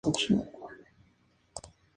Nació en Petersburg, Virginia Occidental.